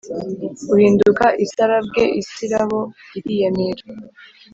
Uhinduka isarabwe isirabo iriyamira